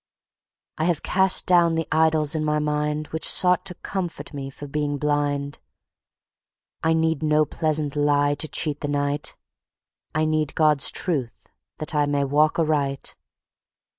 I have cast down the idols in my mindWhich sought to comfort me for being blind;I need no pleasant lie to cheat the night,I need God's Truth, that I may walk aright.